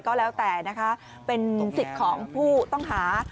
ก็แล้วแต่นะคะเป็นสิทธิ์ของผู้ต้องหา